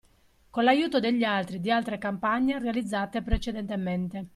Con l'aiuto degli altri e di altre campagne realizzate precedentemente.